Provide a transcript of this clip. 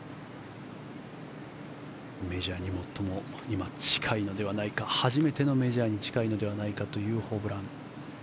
メジャーに最も今近いのではないか初めてのメジャーに近いのではないかというホブラン。